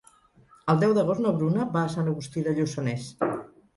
El deu d'agost na Bruna va a Sant Agustí de Lluçanès.